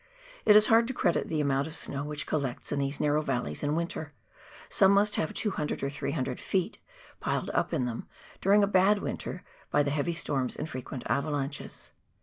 It is hard to credit the amount of snow which collects in these narrow valleys in winter, some must have 200 or 300 ft. piled up in them during a bad winter by the heavy storms and frequent avalanches.